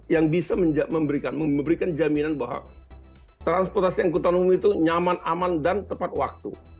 yang bisa memberikan jaminan bahwa transportasi angkutan umum itu nyaman aman dan tepat waktu